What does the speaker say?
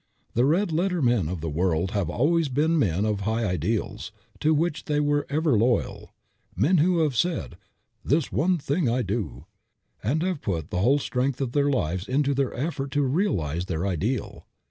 The red letter men of the world have always been men of high ideals, to which they were ever loyal: men who have said "this one thing I do," and have put the whole strength of their lives into their effort to realize their ideal.